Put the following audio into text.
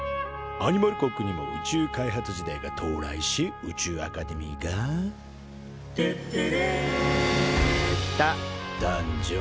アニマル国にも宇宙開発時代が到来し宇宙アカデミーが「てってれ」と誕生。